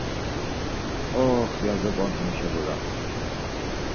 Oxx ya zopont̆u muşebura.